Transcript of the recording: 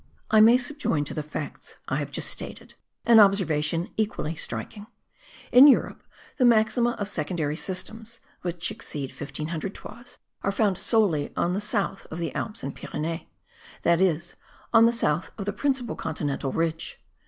I may subjoin to the facts I have just stated an observation equally striking; in Europe the maxima of secondary systems, which exceed 1500 toises, are found solely on the south of the Alps and Pyrenees, that is, on the south of the principal continental ridge.